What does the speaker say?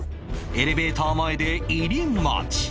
エレベーター前で入り待ち